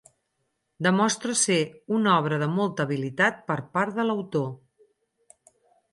Demostra ser una obra de molta habilitat per part de l'autor.